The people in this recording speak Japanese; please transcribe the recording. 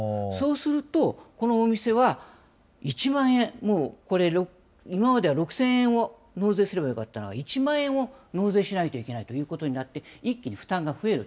そうすると、このお店は、１万円、これ今までは６０００円を納税すればよかったのが、１万円を納税しないといけないということになって、一気に負担が増える。